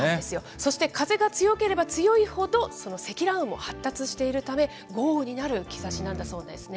そして風が強ければ強いほど、その積乱雲も発達しているため、豪雨になる兆しなんだそうですね。